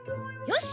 よし！